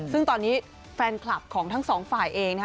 ซึ่งตอนนี้แฟนคลับของทั้งสองฝ่ายเองนะฮะ